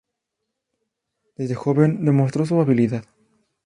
Desde joven demostró su habilidad.